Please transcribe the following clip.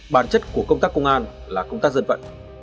bản chất của công tác công an là công tác dân vận